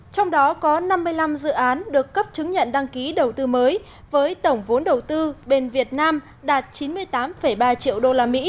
trong đó có năm mươi năm dự án được cấp chứng nhận đăng ký đầu tư mới với tổng vốn đầu tư bên việt nam đạt chín mươi tám ba triệu usd